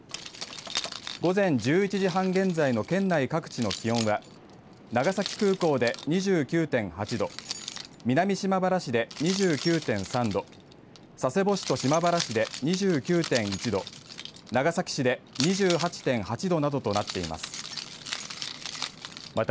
午前１１時半現在の県内各地の気温が長崎空港で２９．８度南島原市で２９．３度佐世保市と島原市で２９．１度長崎市で２８．８度などとなっています。